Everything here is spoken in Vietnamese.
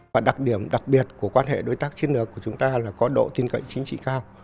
và đặc điểm đặc biệt của quan hệ đối tác chiến lược của chúng ta là có độ tin cậy chính trị cao